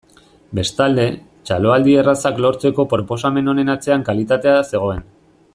Bestalde, txaloaldi errazak lortzeko proposamen honen atzean kalitatea zegoen.